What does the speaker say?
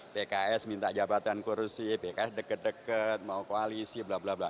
pks minta jabatan kurusi pks deket deket mau koalisi blablabla